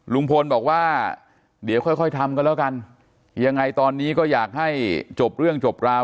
ลุงพลบอกว่าเดี๋ยวค่อยค่อยทำกันแล้วกันยังไงตอนนี้ก็อยากให้จบเรื่องจบราว